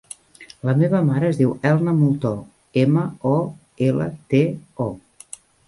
La meva mare es diu Elna Molto: ema, o, ela, te, o.